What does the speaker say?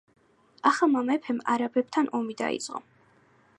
ახალმა მეფემ არაბებთან ომი დაიწყო.